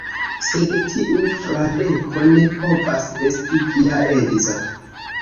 Sed tiu Fradeko ne povas esti via edzo.